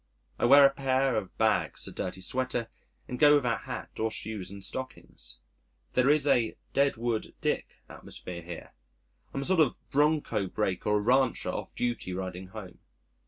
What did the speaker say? I wear a pair of bags, a dirty sweater, and go without hat or shoes and stockings. There is a "Deadwood Dick" atmosphere here. I'm a sort of bronco breaker or rancher off duty writing home.